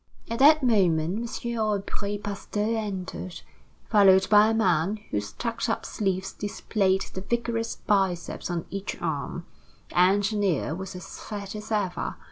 At that moment, M. Aubry Pasteur entered, followed by a man whose tucked up sleeves displayed the vigorous biceps on each arm. The engineer was as fat as ever.